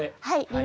はい。